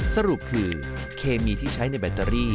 สรุปคือเคมีที่ใช้ในแบตเตอรี่